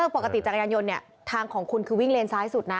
ปกติจักรยานยนต์เนี่ยทางของคุณคือวิ่งเลนซ้ายสุดนะ